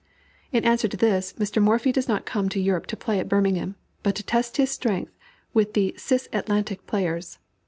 In answer to this, Mr. Morphy did not come to Europe to play at Birmingham, but to test his strength with the cis Atlantic players.